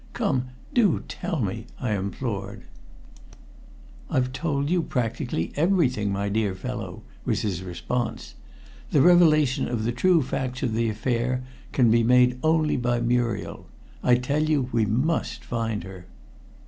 "Come, do tell me!" I implored. "I've told you practically everything, my dear old fellow," was his response. "The revelation of the true facts of the affair can be made only by Muriel. I tell you, we must find her."